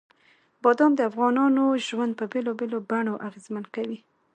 بادام د افغانانو ژوند په بېلابېلو بڼو اغېزمن کوي.